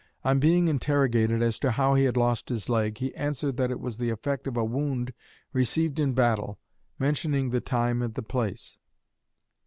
On being interrogated as to how he had lost his leg, he answered that it was the effect of a wound received in battle, mentioning the time and the place.